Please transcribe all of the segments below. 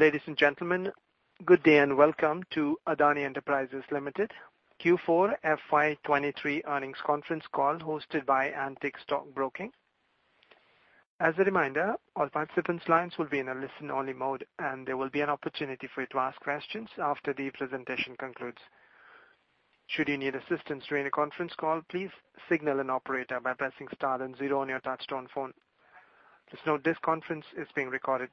Ladies and gentlemen, good day and welcome to Adani Enterprises Limited Q4 FY23 earnings conference call hosted by Antique Stock Broking. As a reminder, all participants' lines will be in a listen-only mode and there will be an opportunity for you to ask questions after the presentation concludes. Should you need assistance during the conference call, please signal an operator by pressing star and zero on your touchtone phone. Just note this conference is being recorded.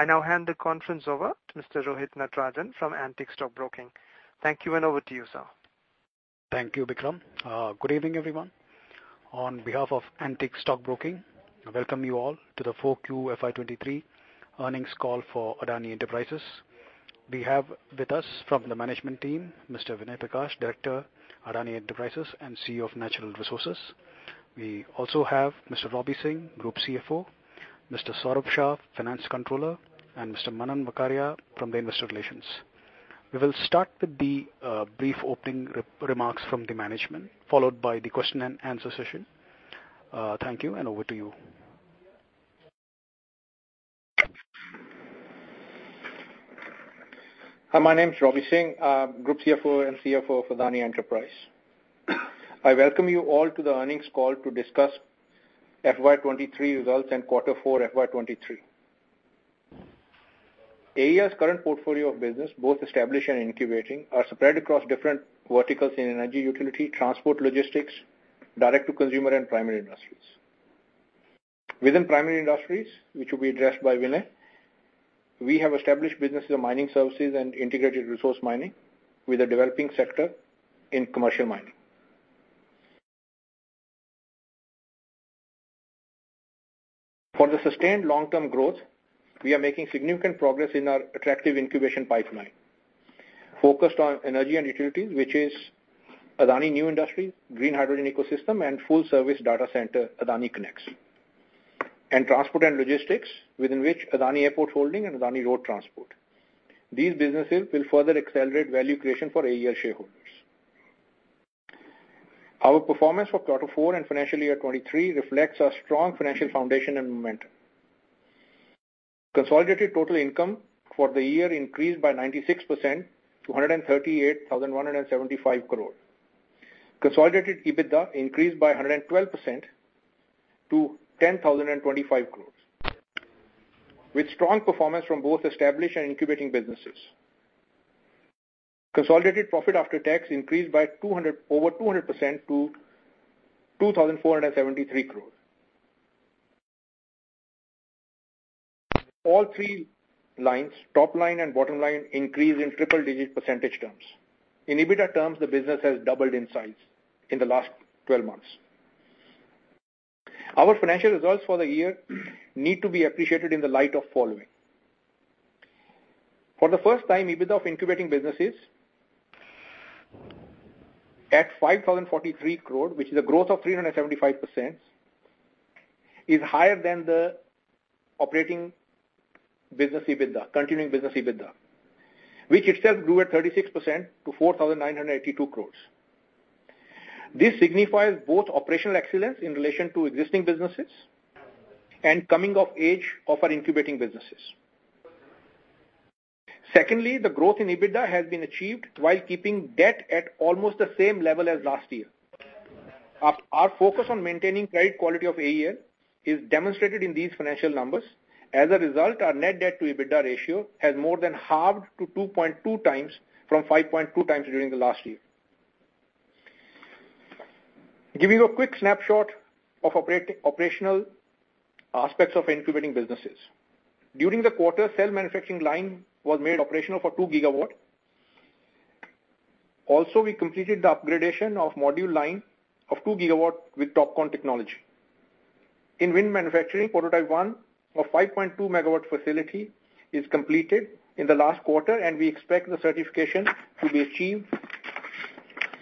I now hand the conference over to Mr. Rohit Natarajan from Antique Stock Broking. Thank you, and over to you, sir. Thank you, Vikram. Good evening, everyone. On behalf of Antique Stock Broking, I welcome you all to the Q4 FY 2023 earnings call for Adani Enterprises. We have with us from the management team, Mr. Vinay Prakash, Director, Adani Enterprises and CEO of Natural Resources. We also have Mr. Jugeshinder Singh, Group CFO, Mr. Saurabh Shah, Finance Controller, and Mr. Manan Vakharia from the Investor Relations. We will start with the brief opening re-remarks from the management, followed by the question and answer session. Thank you, and over to you. Hi, my name is Robbie Singh, I'm Group CFO and CFO for Adani Enterprises. I welcome you all to the earnings call to discuss FY23 results and Q4 FY23. AE's current portfolio of business, both established and incubating, are spread across different verticals in energy utility, transport logistics, direct to consumer and primary industries. Within primary industries, which will be addressed by Vinay, we have established businesses of mining services and Integrated Resource Management with a developing sector in commercial mining. For the sustained long-term growth, we are making significant progress in our attractive incubation pipeline. Focused on energy and utilities, which is Adani New Industries, green hydrogen ecosystem, and full service data center, AdaniConneX. Transport and logistics, within which Adani Airport Holdings and Adani Road Transport. These businesses will further accelerate value creation for AEL shareholders. Our performance for quarter four and financial year 2023 reflects our strong financial foundation and momentum. Consolidated total income for the year increased by 96% to 138,175 crore. Consolidated EBITDA increased by 112% to 10,025 crores, with strong performance from both established and incubating businesses. Consolidated profit after tax increased by over 200% to 2,473 crores. All three lines, top line and bottom line, increased in triple-digit percentage terms. In EBITDA terms, the business has doubled in size in the last 12 months. Our financial results for the year need to be appreciated in the light of following. For the first time, EBITDA of incubating businesses at 5,043 crore, which is a growth of 375%, is higher than the operating business EBITDA, continuing business EBITDA, which itself grew at 36% to 4,982 crore. This signifies both operational excellence in relation to existing businesses and coming of age of our incubating businesses. The growth in EBITDA has been achieved while keeping debt at almost the same level as last year. Our focus on maintaining credit quality of AEL is demonstrated in these financial numbers. As a result, our net debt to EBITDA ratio has more than halved to 2.2x from 5.2x during the last year. Giving you a quick snapshot of operational aspects of incubating businesses. During the quarter, cell manufacturing line was made operational for 2 GW. We completed the upgradation of module line of 2 GW with TOPCon technology. In wind manufacturing, prototype 1 of 5.2 MW facility is completed in the last quarter, and we expect the certification to be achieved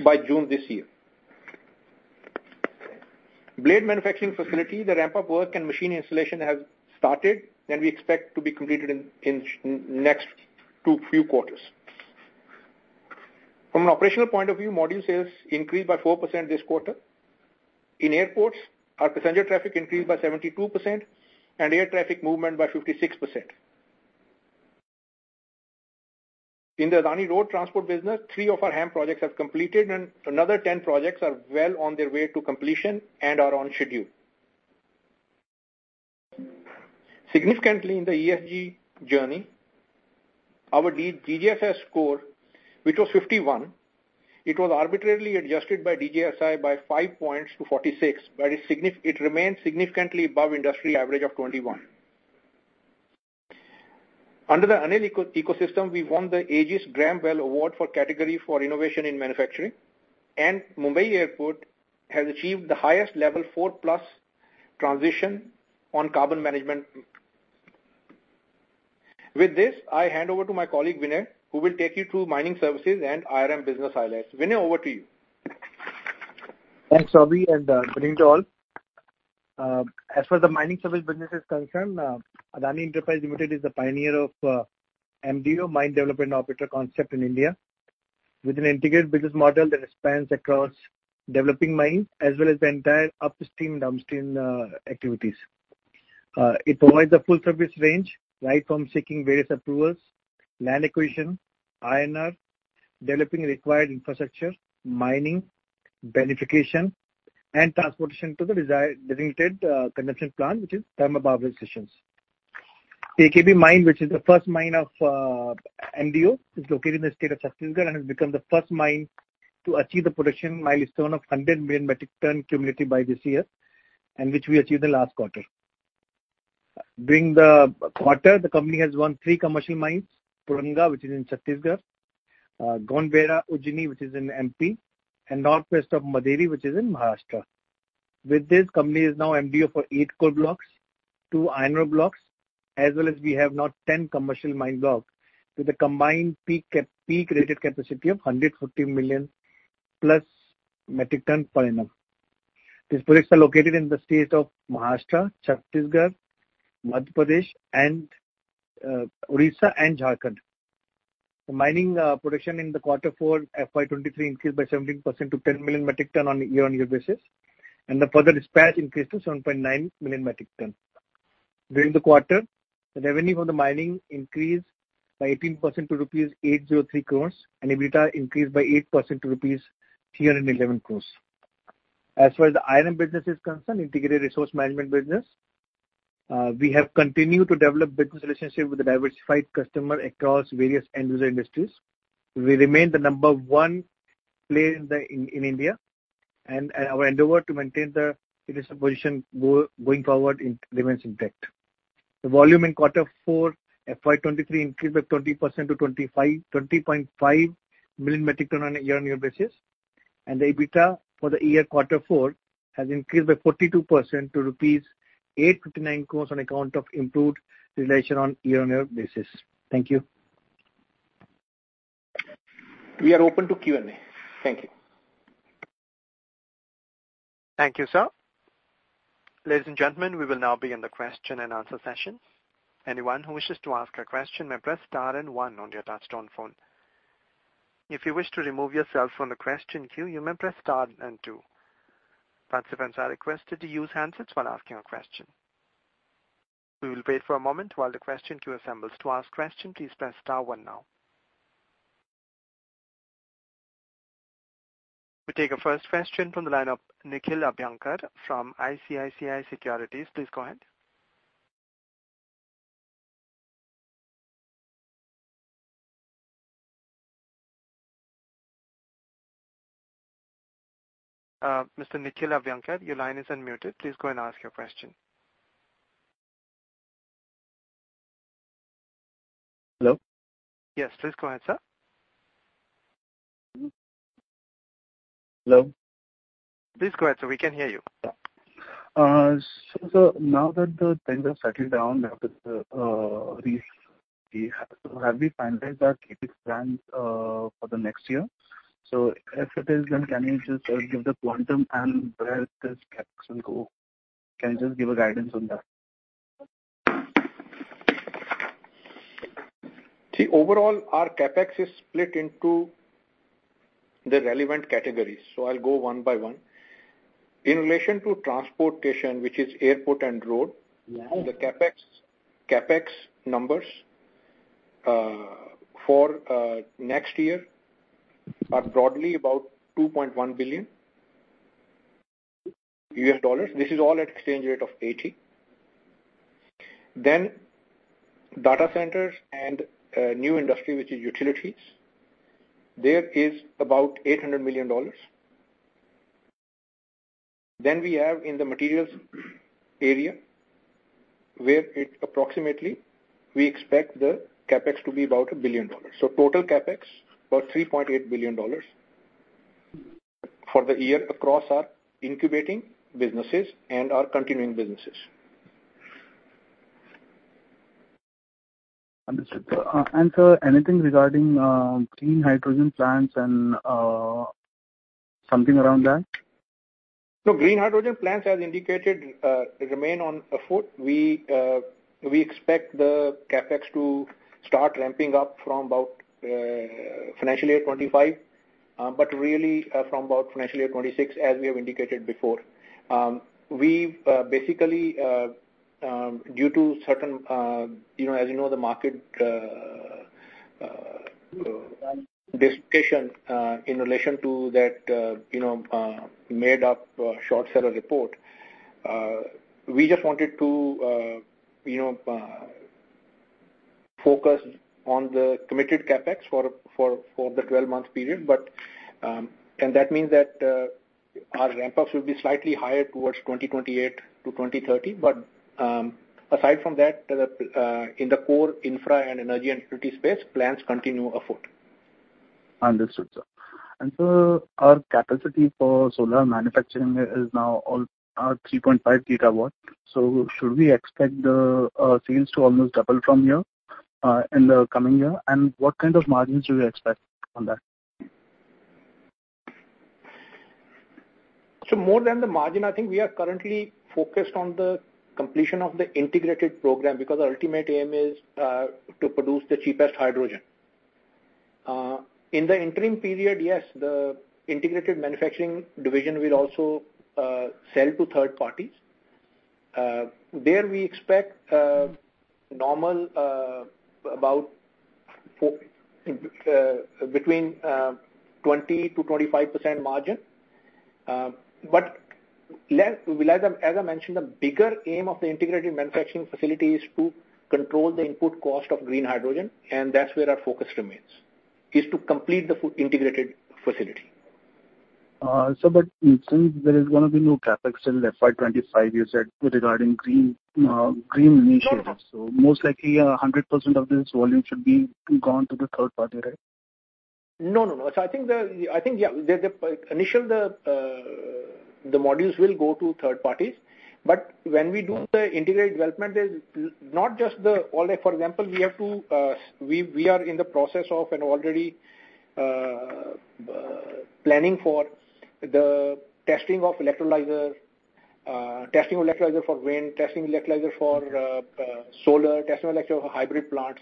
by June this year. Blade manufacturing facility, the ramp-up work and machine installation have started, and we expect to be completed in next two, few quarters. From an operational point of view, module sales increased by 4% this quarter. In airports, our passenger traffic increased by 72% and air traffic movement by 56%. In the Adani Road Transport business, three of our HAM projects have completed and another 10 projects are well on their way to completion and are on schedule. Significantly in the ESG journey, our lead DGHS score, which was 51, it was arbitrarily adjusted by DJSI by 5 points to 46. It remains significantly above industry average of 21. Under the ANIL eco-ecosystem, we won the Aegis Graham Bell Award for category for innovation in manufacturing. Mumbai Airport has achieved the highest level 4+ transition on carbon management. With this, I hand over to my colleague, Vinay, who will take you through mining services and IRM business highlights. Vinay, over to you. Thanks, Robbie, and good evening to all. As for the mining service business is concerned, Adani Enterprises Limited is the pioneer of MDO, Mine Development Operator, concept in India. With an integrated business model that spans across developing mines as well as the entire upstream and downstream activities. It provides a full service range, right from seeking various approvals, land acquisition, INR, developing required infrastructure, mining, beneficiation, and transportation to the desired designated consumption plant, which is thermal power stations. PEKB Mine, which is the first mine of MDO, is located in the state of Chhattisgarh, and has become the first mine to achieve the production milestone of 100 million metric tons cumulative by this year, and which we achieved the last quarter. During the quarter, the company has won three commercial mines: Puranga, which is in Chhattisgarh, Gondbaheria Ujheni, which is in MP, and North West of Madheri, which is in Maharashtra. With this company is now MDO for eight coal blocks, two iron ore blocks, as well as we have now 10 commercial mine blocks with a combined peak rated capacity of 140+ million metric ton per annum. These projects are located in the state of Maharashtra, Chhattisgarh, Madhya Pradesh, and Odisha and Jharkhand. The mining production in the Q4 FY23 increased by 17% to 10 million metric ton on a year-on-year basis, and the further dispatch increased to 7.9 million metric ton. During the quarter, the revenue for the mining increased by 18% to rupees 803 crores, and EBITDA increased by 8% to rupees 311 crores. As far as the IRM business is concerned, Integrated Resource Management business, we have continued to develop business relationship with the diversified customer across various end user industries. We remain the number one player in India. Our endeavor to maintain the leadership position going forward remains intact. The volume in Q4 FY23 increased by 20% to 20.5 million metric ton on a year-on-year basis. The EBITDA for the year Q4 has increased by 42% to rupees 859 crores on account of improved realization on year-on-year basis. Thank you. We are open to Q&A. Thank you. Thank you, sir. Ladies and gentlemen, we will now be in the question and answer session. Anyone who wishes to ask a question may press star and one on your touchtone phone. If you wish to remove yourself from the question queue, you may press star and two. Participants are requested to use handsets while asking a question. We will wait for a moment while the question queue assembles. To ask question, please press star one now. We take our first question from the line of Nikhil Abhyankar from ICICI Securities. Please go ahead. Mr. Nikhil Abhyankar, your line is unmuted. Please go and ask your question. Hello? Yes, please go ahead, sir. Hello? Please go ahead, sir. We can hear you. Sir, now that the things have settled down after the have we finalized our CapEx plans for the next year? If it is, then can you just give the quantum and where this CapEx will go? Can you just give a guidance on that? Overall our CapEx is split into the relevant categories, so I'll go one by one. In relation to transportation, which is airport and road. Yeah. The CapEx numbers for next year are broadly about $2.1 billion. This is all at exchange rate of 80. Data centers and new industry, which is utilities, there is about $800 million. We have in the materials area where it approximately we expect the CapEx to be about $1 billion. Total CapEx, about $3.8 billion for the year across our incubating businesses and our continuing businesses. Understood, sir. Sir, anything regarding clean hydrogen plants and something around that? No, green hydrogen plants as indicated, remain on afoot. We, we expect the CapEx to start ramping up from about financial year 25. Really, from about financial year 26, as we have indicated before. We've basically, due to certain, you know, as you know, the market dissertation, in relation to that, you know, made up short seller report, we just wanted to, you know, focus on the committed CapEx for the 12 month period. That means that our ramp up will be slightly higher towards 2028-2030. Aside from that, in the core infra and energy and utility space, plants continue afoot. Understood, sir. Sir, our capacity for solar manufacturing is now all 3.5 GW. Should we expect the sales to almost double from here in the coming year? What kind of margins do we expect on that? More than the margin, I think we are currently focused on the completion of the integrated program, because our ultimate aim is to produce the cheapest hydrogen. In the interim period, yes, the integrated manufacturing division will also sell to third parties. There we expect normal between 20%-25% margin. As I mentioned, the bigger aim of the integrated manufacturing facility is to control the input cost of green hydrogen, and that's where our focus remains, is to complete the full integrated facility. Since there is gonna be no CapEx till FY 25, you said with regarding green initiatives. Most likely, 100% of this volume should be gone to the third party, right? No, no. I think, yeah, the initial modules will go to third parties. When we do the integrated development is not just the. For example, we have to, we are in the process of and already planning for the testing of electrolyzer, testing electrolyzer for wind, testing electrolyzer for solar, testing electrolyzer for hybrid plants.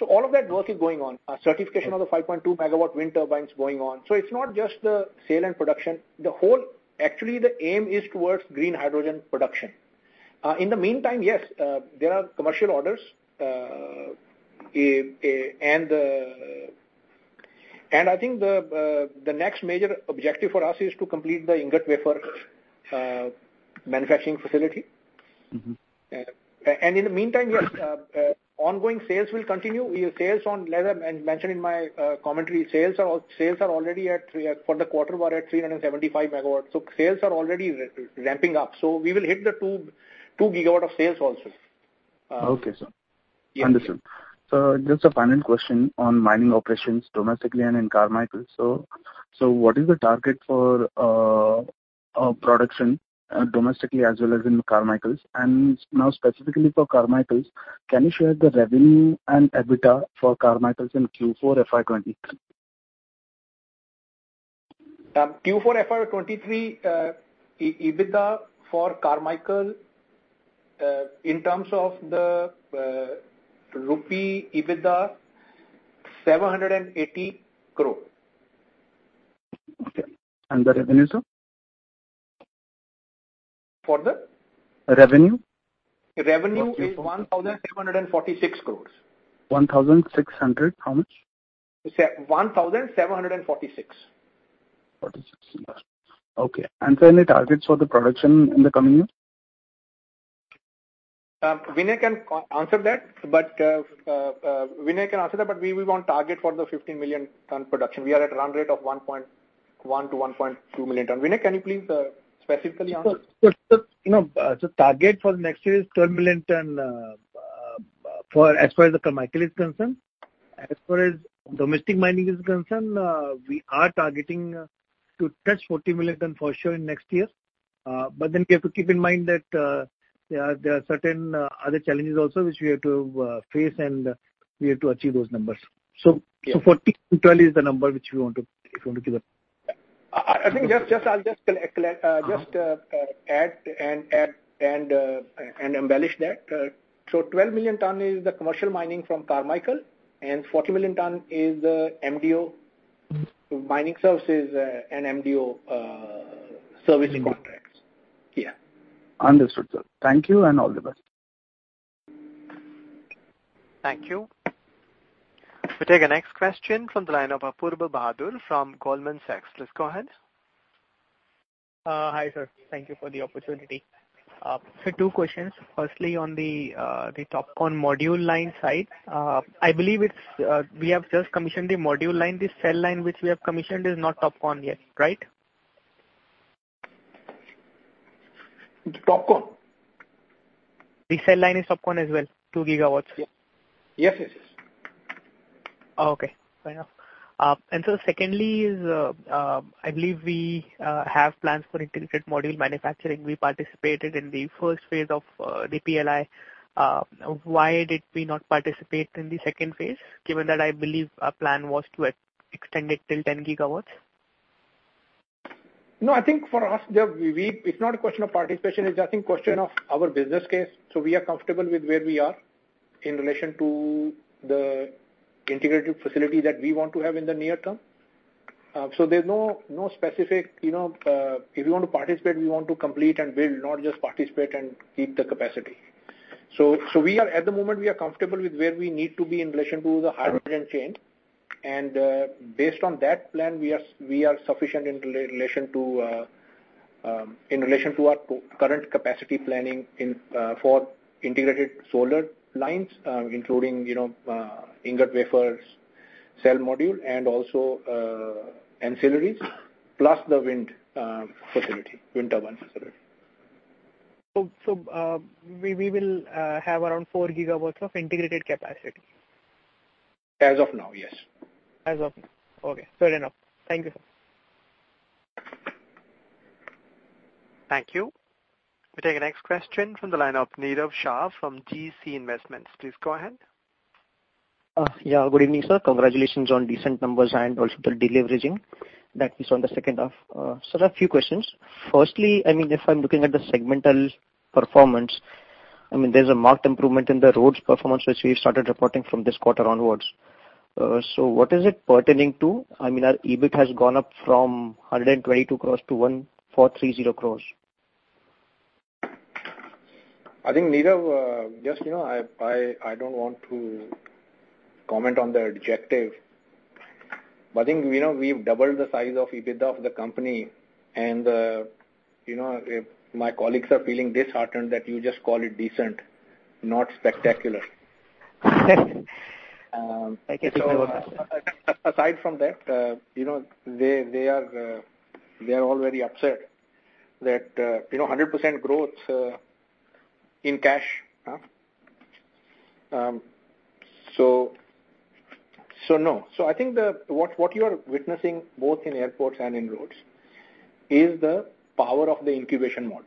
All of that work is going on. Our certification of the 5.2 MW wind turbine is going on. It's not just the sale and production. Actually, the aim is towards green hydrogen production. In the meantime, yes, there are commercial orders. And I think the next major objective for us is to complete the ingot wafer manufacturing facility. Mm-hmm. In the meantime, yes, ongoing sales will continue. We have sales on leather, mentioned in my commentary, sales are already at, for the quarter, we're at 375 MW. Sales are already ramping up. We will hit the 2 GW of sales also. Okay, sir. Yeah. Understood. Just a final question on mining operations domestically and in Carmichael. What is the target for production domestically as well as in Carmichael? Now specifically for Carmichael, can you share the revenue and EBITDA for Carmichael in Q4 FY23? Q4 FY23, EBITDA for Carmichael, in terms of the rupee EBITDA, 780 crore. Okay. The revenue, sir? For the? Revenue. Revenue is 1,746 crores. 1,600 how much? 1,746. 46. Okay. Any targets for the production in the coming year? Vinay can answer that, but we want target for the 15 million ton production. We are at run rate of 1.1 million-1.2 million ton. Vinay, can you please specifically answer? Sure. Sure. Sure. You know, Target for next year is 12 million tons for as far as the Carmichael is concerned. As far as domestic mining is concerned, we are targeting to touch 40 million tons for sure in next year. We have to keep in mind that there are certain other challenges also which we have to face and we have to achieve those numbers. Yeah. Forty to 12 is the number which we want to keep up. I think just I'll just add and embellish that. 12 million tons is the commercial mining from Carmichael, and 40 million tons is the MDO. Mm-hmm. Mining services, and MDO, servicing contracts. Yeah. Understood, sir. Thank you and all the best. Thank you. We take the next question from the line of Apoorva Bahadur from Goldman Sachs. Please go ahead. Hi, sir. Thank you for the opportunity. Two questions. Firstly, on the TOPCon module line side, I believe we have just commissioned the module line. The cell line which we have commissioned is not TOPCon yet, right? Topcon? The cell line is TOPCon as well, 2 GW. Yes. Yes. Yes. Okay. Fair enough. Secondly is, I believe we have plans for integrated module manufacturing. We participated in the first phase of the PLI. Why did we not participate in the second phase, given that I believe our plan was to extend it till 10 GW? I think for us, it's not a question of participation, it's I think question of our business case. There's no specific, you know, if we want to participate, we want to complete and build, not just participate and keep the capacity. We are at the moment comfortable with where we need to be in relation to the hydrogen chain. Based on that plan, we are sufficient in relation to our current capacity planning for integrated solar lines, including, you know, ingot wafers, cell module, and also ancillaries, plus the wind facility, wind turbine facility. We will have around 4 GW of integrated capacity? As of now, yes. As of now. Okay. Fair enough. Thank you, sir. Thank you. We take the next question from the line of Nirav Shah from GeeCee Investments. Please go ahead. Yeah, good evening, sir. Congratulations on decent numbers and also the deleveraging that we saw in the H2. There are a few questions. Firstly, I mean, if I'm looking at the segmental performance, I mean, there's a marked improvement in the roads performance which we've started reporting from this quarter onwards. What is it pertaining to? I mean, our EBIT has gone up from 122 crore-1,430 crore. I think, Nirav, just, you know, I don't want to comment on the adjective, but I think, you know, we've doubled the size of EBITDA of the company and, you know, if my colleagues are feeling disheartened that you just call it decent, not spectacular. I guess. Aside from that, you know, they are all very upset that, you know, 100% growth in cash. No. I think what you are witnessing both in airports and in roads is the power of the incubation model.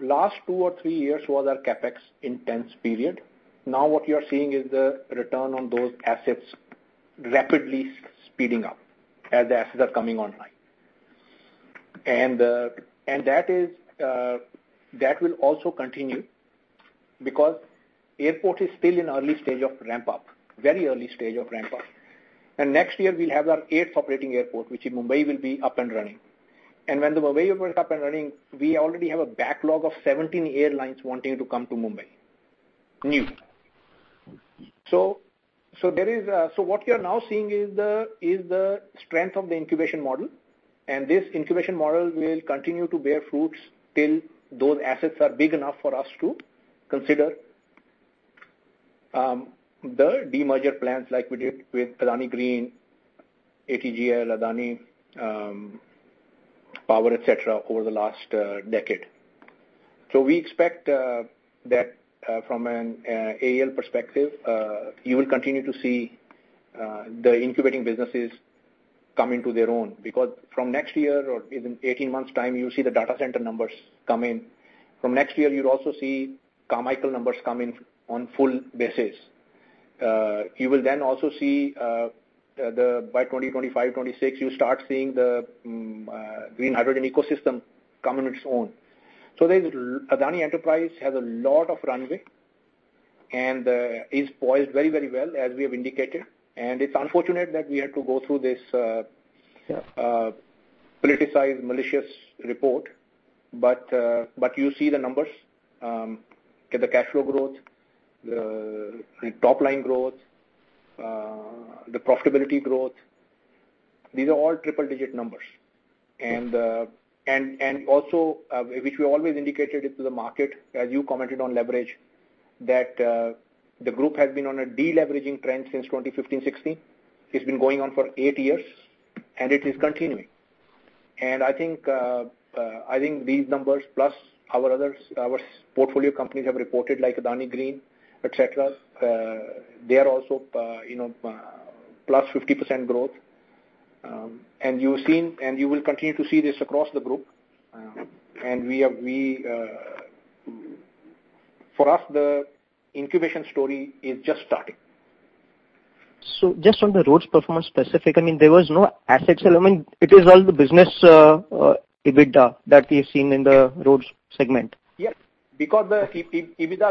Last two or three years was our CapEx intense period. Now what you are seeing is the return on those assets rapidly speeding up as the assets are coming online. That is that will also continue because airport is still in early stage of ramp up, very early stage of ramp up. Next year we'll have our eighth operating airport, which in Mumbai will be up and running. When the Mumbai airport is up and running, we already have a backlog of 17 airlines wanting to come to Mumbai. What we are now seeing is the strength of the incubation model, and this incubation model will continue to bear fruits till those assets are big enough for us to consider the demerger plans like we did with Adani Green, ATGL, Adani Power, et cetera, over the last decade. We expect that from an AEL perspective, you will continue to see the incubating businesses come into their own. From next year or in 18 months' time, you'll see the data center numbers come in. From next year, you'll also see Carmichael numbers come in on full basis. By 2025-2026, you start seeing the green hydrogen ecosystem come on its own. Adani Enterprises has a lot of runway and is poised very, very well as we have indicated. It's unfortunate that we had to go through this. Sure... politicized, malicious report. You see the numbers, the cash flow growth, the top line growth, the profitability growth. These are all triple digit numbers. Also, which we always indicated it to the market, as you commented on leverage, that the group has been on a deleveraging trend since 2015, 2016. It's been going on for eight years, and it is continuing. I think these numbers plus our others, our portfolio companies have reported like Adani Green, et cetera, they are also, you know, +50% growth. You've seen, and you will continue to see this across the group. We have, for us, the incubation story is just starting. Just on the roads performance specific, I mean, there was no asset sale. I mean, it is all the business, EBITDA that we've seen in the roads segment. Yes. Because EBITDA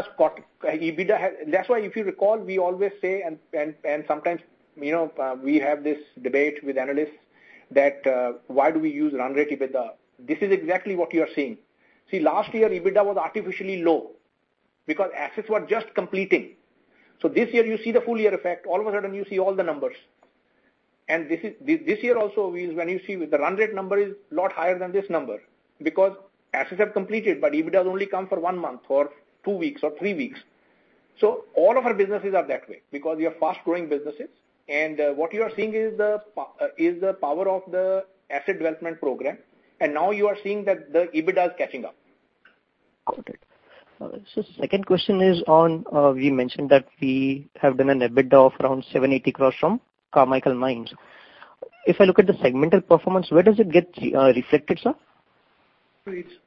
has. That's why if you recall, we always say and sometimes, you know, we have this debate with analysts that, why do we use run rate EBITDA? This is exactly what you are seeing. See, last year, EBITDA was artificially low because assets were just completing. This year you see the full year effect. All of a sudden you see all the numbers. This year also is when you see the run rate number is a lot higher than this number because assets have completed, but EBITDA has only come for one month or two weeks or three weeks. All of our businesses are that way because we are fast growing businesses. What you are seeing is the power of the asset development program. Now you are seeing that the EBITDA is catching up. Got it. Second question is on, we mentioned that we have done an EBITDA of around 780 crores from Carmichael Mines. If I look at the segmental performance, where does it get reflected, sir?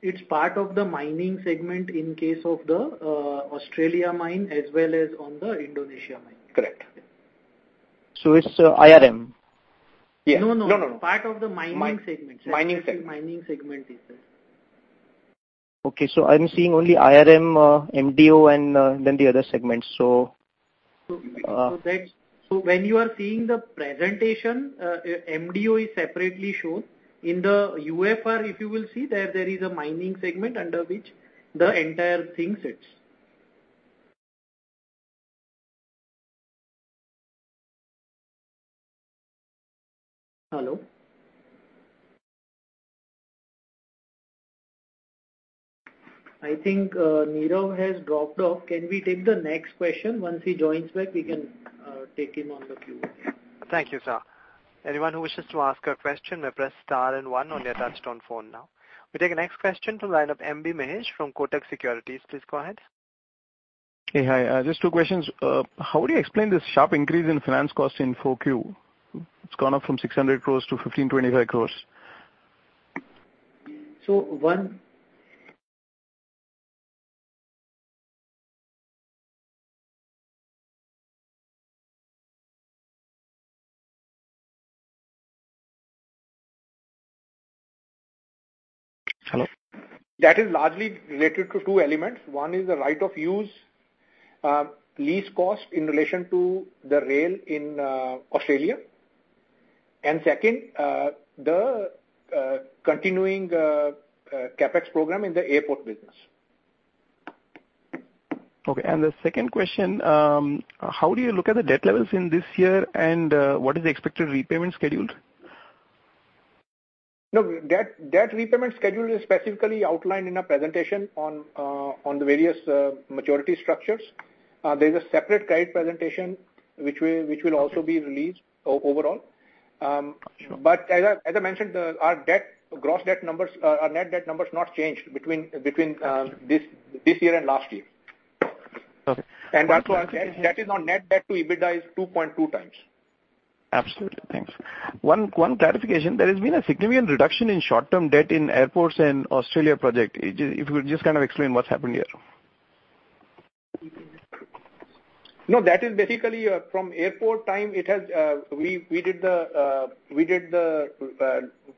It's part of the mining segment in case of the Australia mine as well as on the Indonesia mine. Correct. It's IRM? Yeah. No, no. No, no. Part of the mining segment. Mining segment. Mining segment is there. Okay. I'm seeing only IRM, MDO and then the other segments. When you are seeing the presentation, MDO is separately shown. In the UFR, if you will see there is a mining segment under which the entire thing sits. Hello? I think, Nirav has dropped off. Can we take the next question? Once he joins back, we can take him on the queue. Thank you, sir. Anyone who wishes to ask a question may press star and one on your touchtone phone now. We take the next question from line of M.B. Mahesh from Kotak Securities. Please go ahead. Hey. Hi. just two questions. how would you explain this sharp increase in finance costs in four Q? It's gone up from 600 crores-1,525 crores. So one- Hello. That is largely related to two elements. One is the right of use, lease cost in relation to the rail in Australia. Second, the continuing CapEx program in the airport business. Okay. The second question, how do you look at the debt levels in this year and what is the expected repayment schedule? No, debt repayment schedule is specifically outlined in our presentation on on the various maturity structures. There's a separate guide presentation which will also be released overall. Sure. As I mentioned, our debt, gross debt numbers, our net debt numbers not changed between this year and last year. Okay. That is on net debt to EBITDA is 2.2x. Absolutely. Thanks. One clarification. There has been a significant reduction in short-term debt in airports and Australia project. If you could just kind of explain what's happened here? No, that is basically, from airport time, we did the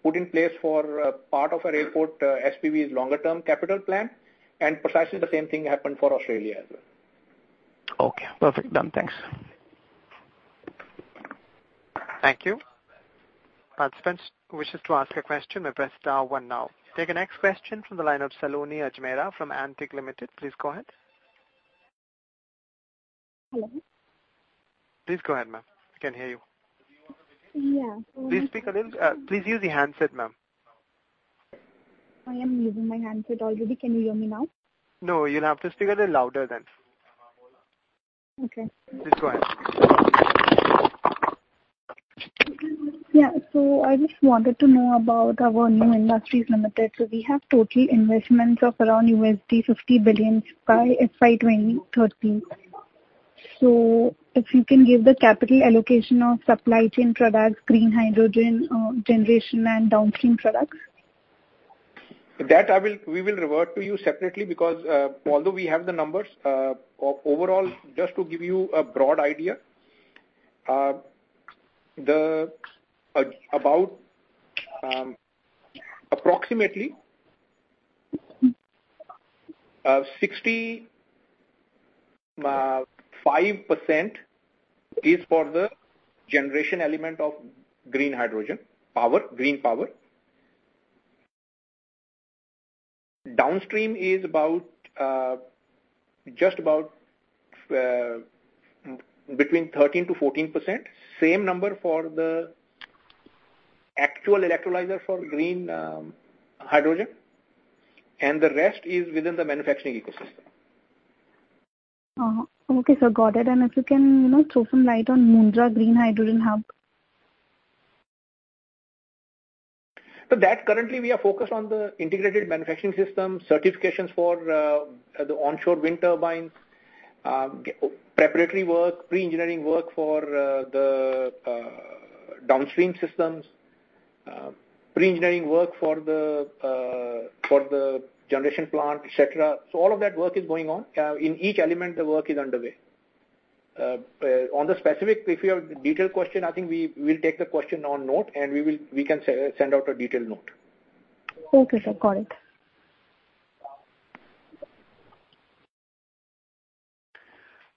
put in place for part of our airport SPV's longer term capital plan. Precisely the same thing happened for Australia as well. Okay. Perfect. Done. Thanks. Thank you. Participants who wishes to ask a question may press star one now. Take the next question from the line of Saloni Ajmera from Antique Stock Broking. Please go ahead. Hello. Please go ahead, ma'am. I can hear you. Yeah. Please speak a little, please use the handset, ma'am. I am using my handset already. Can you hear me now? No, you'll have to speak a little louder then. Okay. Please go ahead. Yeah. I just wanted to know about our New Industries Limited. We have total investments of around $50 billion by FY 2030. If you can give the capital allocation of supply chain products, green hydrogen, generation and downstream products. That we will revert to you separately because although we have the numbers, overall, just to give you a broad idea, approximately 65% is for the generation element of green hydrogen power, green power. Downstream is about just about 13%-14%. Same number for the actual electrolyzer for green hydrogen, and the rest is within the manufacturing ecosystem. Okay, sir. Got it. If you can, you know, throw some light on Mundra Green Hydrogen Hub? Currently we are focused on the integrated manufacturing system, certifications for the onshore wind turbines, preparatory work, pre-engineering work for the downstream systems, pre-engineering work for the for the generation plant, et cetera. All of that work is going on. In each element, the work is underway. On the specific, if you have detailed question, I think we will take the question on note, and we can send out a detailed note. Okay, sir. Got it.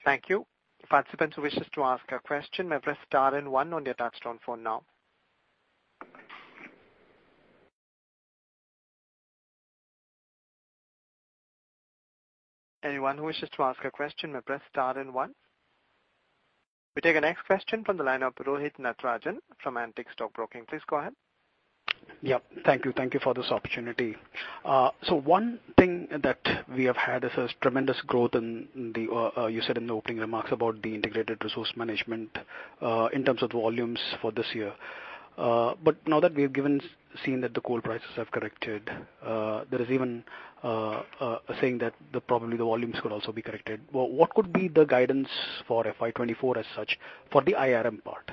Thank you. Participants who wishes to ask a question may press star and 1 on their touchtone phone now. Anyone who wishes to ask a question may press star and one. We take the next question from the line of Rohit Natarajan from Antique Stock Broking. Please go ahead. Yeah. Thank you. Thank you for this opportunity. One thing that we have had is a tremendous growth in the, you said in the opening remarks about the Integrated Resource Management, in terms of volumes for this year. Now that we've seen that the coal prices have corrected, there is even a saying that probably the volumes could also be corrected. What could be the guidance for FY 2024 as such for the IRM part?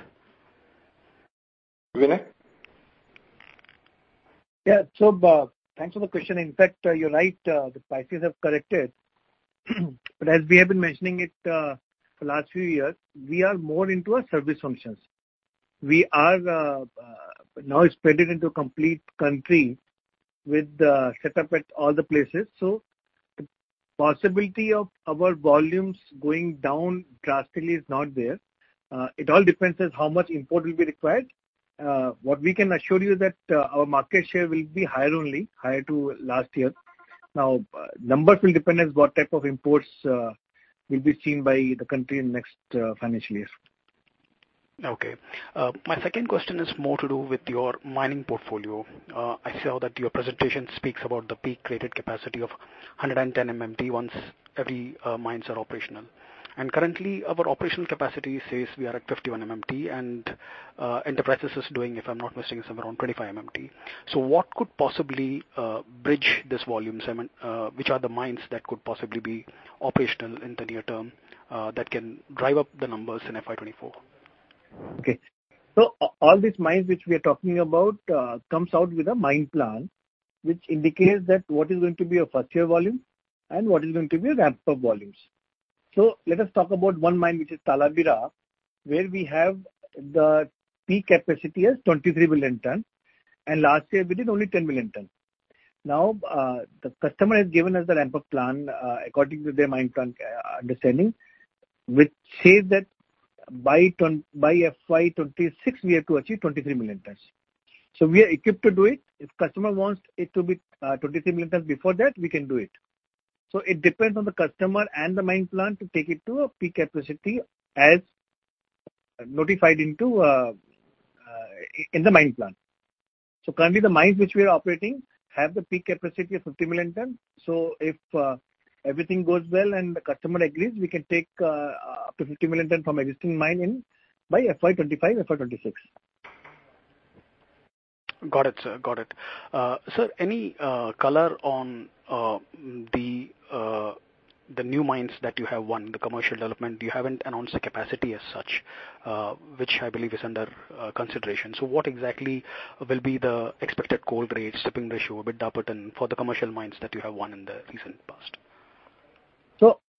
Vinay. Yeah. Thanks for the question. In fact, you're right, the prices have corrected. As we have been mentioning it, for last few years, we are more into a service functions. We are now expanded into a complete country with the setup at all the places. Possibility of our volumes going down drastically is not there. It all depends on how much import will be required. What we can assure you is that our market share will be higher only, higher to last year. Numbers will depend on what type of imports will be seen by the country in next financial year. Okay. My second question is more to do with your mining portfolio. I saw that your presentation speaks about the peak rated capacity of 110 MMT once every, mines are operational. Currently our operational capacity says we are at 51 MMT and, Adani Enterprises is doing, if I'm not mistaken, somewhere around 25 MMT. What could possibly, bridge this volume segment? Which are the mines that could possibly be operational in the near term, that can drive up the numbers in FY 2024? Okay. All these mines which we are talking about, comes out with a mine plan, which indicates that what is going to be a first year volume and what is going to be ramp-up volumes. Let us talk about one mine, which is Talabira, where we have the peak capacity as 23 million tons, and last year we did only 10 million tons. Now, the customer has given us the ramp-up plan, according to their mine plan understanding, which says that by FY 2026 we have to achieve 23 million tons. We are equipped to do it. If customer wants it to be, 23 million tons before that, we can do it. It depends on the customer and the mine plan to take it to a peak capacity as notified in the mine plan. Currently the mines which we are operating have the peak capacity of 50 million tons. If everything goes well and the customer agrees, we can take up to 50 million tons from existing mine in by FY25, FY26. Got it, sir. Got it. Sir, any color on the new mines that you have won the commercial development? You haven't announced the capacity as such, which I believe is under consideration. What exactly will be the expected coal rates, stripping ratio, bit throughput for the commercial mines that you have won in the recent past?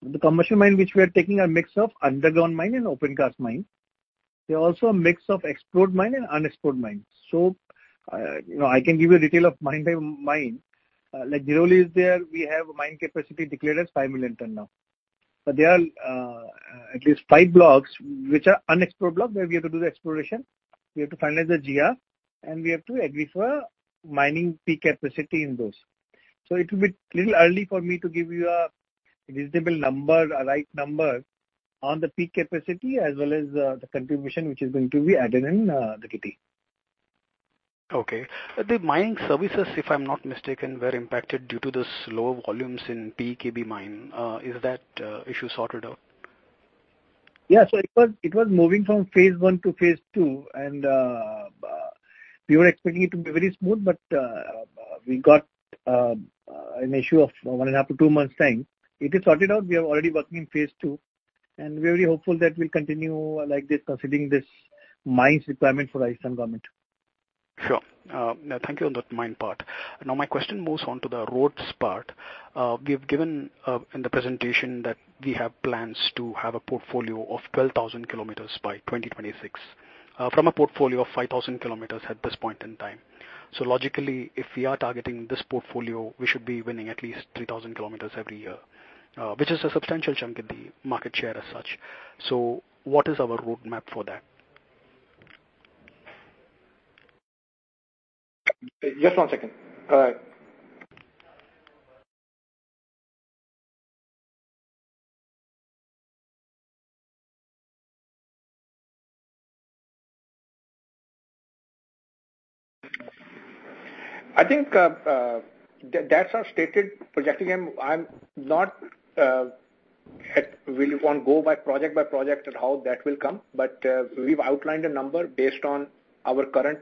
The commercial mine which we are taking a mix of underground mine and open cast mine. They're also a mix of explored mine and unexplored mine. You know, I can give you a detail of mine by mine. Like Dhirauli is there, we have a mine capacity declared as 5 million ton now. There are at least five blocks which are unexplored block, where we have to do the exploration, we have to finalize the GR, and we have to agree for mining peak capacity in those. It will be little early for me to give you a visible number, a right number on the peak capacity as well as the contribution which is going to be added in the kitty. Okay. The mining services, if I'm not mistaken, were impacted due to the slow volumes in PEKB mine. Is that issue sorted out? It was moving from phase 1 to phase 2. We were expecting it to be very smooth. We got an issue of 1 and a half to 2 months' time. It is sorted out. We are already working in phase 2. We are very hopeful that we'll continue like this fulfilling this mine's requirement for the Assam government. Sure. Thank you on that mine part. My question moves on to the roads part. We have given, in the presentation that we have plans to have a portfolio of 12,000 Km by 2026, from a portfolio of 5,000 Km at this point in time. Logically, if we are targeting this portfolio, we should be winning at least 3,000 Km every year, which is a substantial chunk in the market share as such. What is our roadmap for that? Just one second. I think, that's our stated projecting. I'm not, at will want go by project by project and how that will come. We've outlined a number based on our current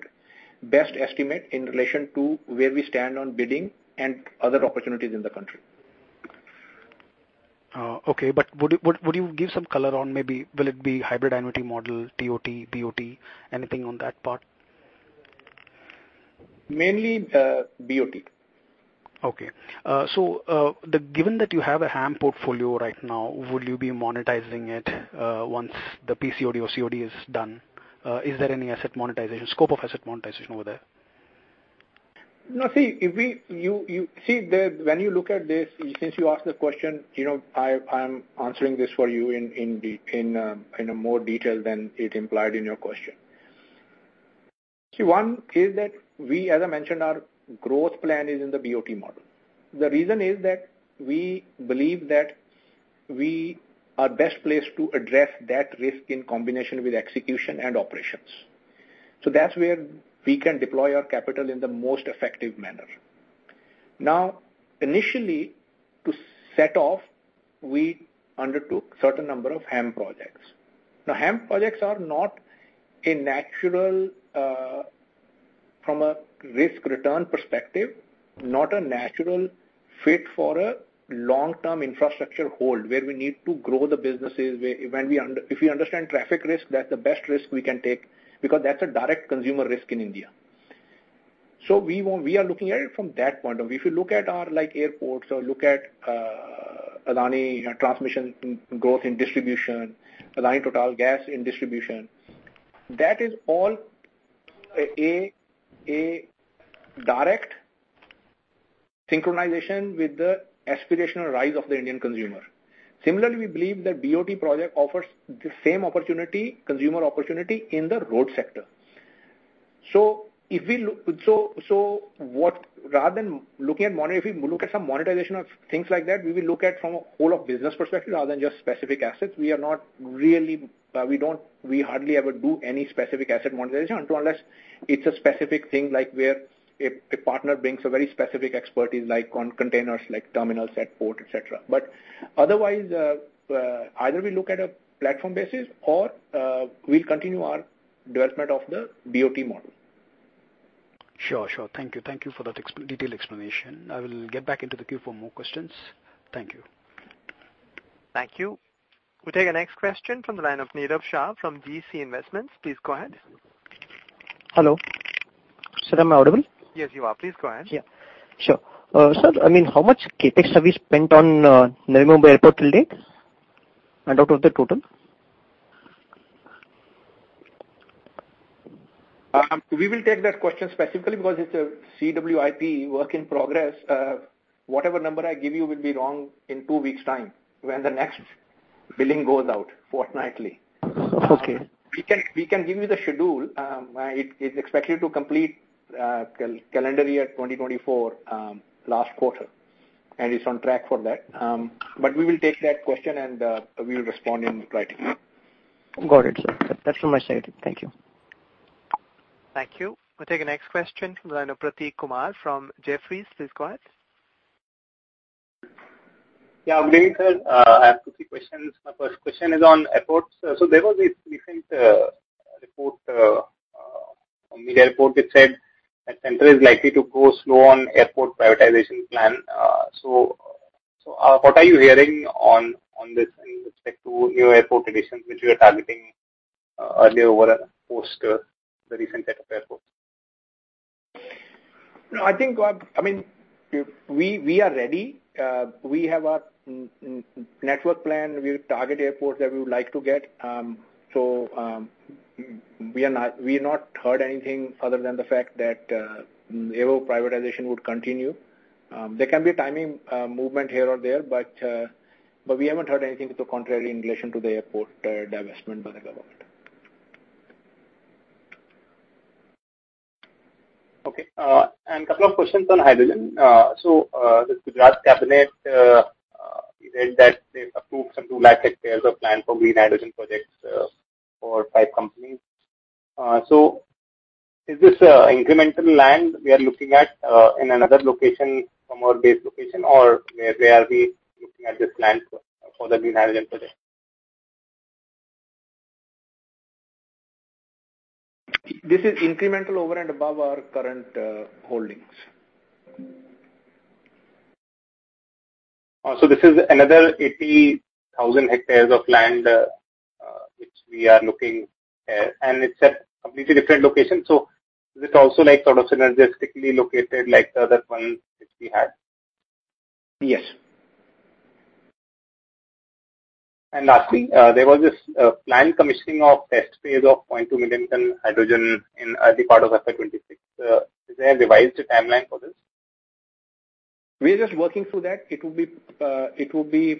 best estimate in relation to where we stand on bidding and other opportunities in the country. Okay. Would you give some color on maybe will it be hybrid annuity model, TOT, BOT, anything on that part? Mainly, BOT. Okay. Given that you have a HAM portfolio right now, would you be monetizing it once the PCOD or COD is done? Is there any asset monetization, scope of asset monetization over there? No. See, when you look at this, since you asked the question, you know, I am answering this for you in a more detail than it implied in your question. See, one is that we as I mentioned, our growth plan is in the BOT model. The reason is that we believe that we are best placed to address that risk in combination with execution and operations. That's where we can deploy our capital in the most effective manner. Now, initially, to set off, we undertook certain number of HAM projects. Now, HAM projects are not a natural, from a risk-return perspective, not a natural fit for a long-term infrastructure hold where we need to grow the businesses, where if we understand traffic risk, that's the best risk we can take because that's a direct consumer risk in India. We are looking at it from that point of view. If you look at our like airports or look at, Adani Transmission growth in distribution, Adani Total Gas in distribution, that is all a direct synchronization with the aspirational rise of the Indian consumer. Similarly, we believe that BOT project offers the same opportunity, consumer opportunity in the road sector. If we look at some monetization of things like that, we will look at from a whole of business perspective rather than just specific assets. We are not really, we hardly ever do any specific asset monetization unless it's a specific thing like where a partner brings a very specific expertise like on containers, like terminals at port, et cetera. Otherwise, either we look at a platform basis or we'll continue our development of the BOT model. Sure. Thank you. Thank you for that detailed explanation. I will get back into the queue for more questions. Thank you. Thank you. We'll take the next question from the line of Nirav Shah from GeeCee Investments. Please go ahead. Hello. Sir, am I audible? Yes, you are. Please go ahead. Yeah, sure. sir, I mean, how much CapEx have you spent on Narendra Modi Airport till date and out of the total? We will take that question specifically because it's a CWIP work in progress. Whatever number I give you will be wrong in two weeks time when the next billing goes out fortnightly. Okay. We can give you the schedule. It's expected to complete calendar year 2024 last quarter, and it's on track for that. We will take that question and we will respond in writing. Got it, sir. That's so much. Thank you. Thank you. We'll take the next question from the line of Prateek Kumar from Jefferies. Please go ahead. Yeah. Good day, sir. I have two, three questions. My first question is on airports. There was a recent report on the airport that said that Center is likely to go slow on airport privatization plan. What are you hearing on this in respect to new airport additions which you are targeting earlier over a post the recent set of airports? No, I think, I mean, we are ready. We have our network plan. We've target airports that we would like to get. We are not, we've not heard anything other than the fact that AO privatization would continue. There can be timing movement here or there, but we haven't heard anything to the contrary in relation to the airport divestment by the government. Okay. A couple of questions on hydrogen. The Gujarat cabinet, we read that they've approved some 2 lakh hectares of land for green hydrogen projects, for five companies. Is this incremental land we are looking at, in another location from our base location or where are we looking at this land for the green hydrogen project? This is incremental over and above our current holdings. This is another 80,000 hectares of land, which we are looking at, and it's at completely different location. Is it also like sort of synergistically located like the other one which we had? Yes. Lastly, there was this planned commissioning of test phase of 0.2 million ton hydrogen in early part of FY26. Is there a revised timeline for this? We're just working through that. It will be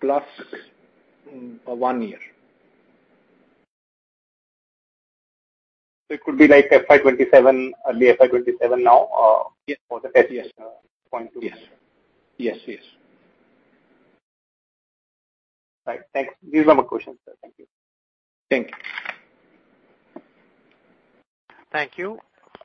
plus one year. It could be like FY 27, early FY 27 now. Yes. for the test, yes, 0.2. Yes. Yes, yes. Right. Thanks. These are my questions, sir. Thank you. Thank you. Thank you.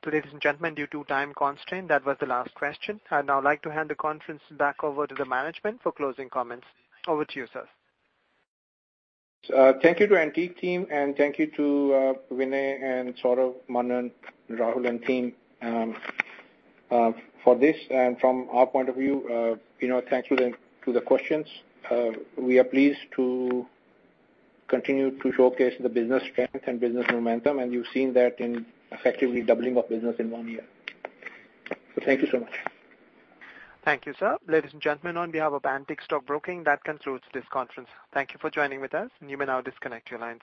Ladies and gentlemen, due to time constraint, that was the last question. I'd now like to hand the conference back over to the management for closing comments. Over to you, sir. Thank you to Antique team, and thank you to, Vinay and Saurabh, Manan, Rahul and team, for this. From our point of view, you know, thank you then to the questions. We are pleased to continue to showcase the business strength and business momentum, and you've seen that in effectively doubling of business in one year. Thank you so much. Thank you, sir. Ladies and gentlemen, on behalf of Antique Stock Broking, that concludes this conference. Thank you for joining with us. You may now disconnect your lines.